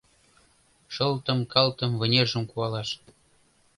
Шылтым-калтым вынержым куалаш